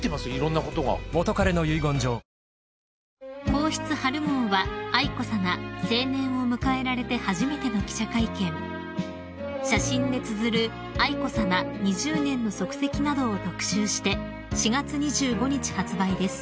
［『皇室』春号は愛子さま成年を迎えられて初めての記者会見写真でつづる愛子さま２０年の足跡などを特集して４月２５日発売です］